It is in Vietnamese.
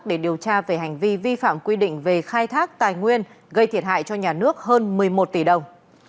để điều tra về hành vi vi phạm quy định về khai thác tài nguyên gây thiệt hại cho nhà nước hơn một mươi một tỷ đồng